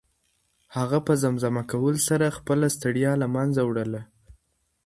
هغه په زمزمه کولو سره خپله ستړیا له منځه وړله.